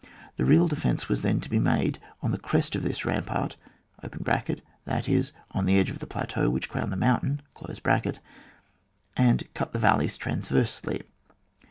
The real defence was then to be made on the crest of this rampart, (that is, on the edge of the plateau which crowned the mountain) and cut the val leys transversely.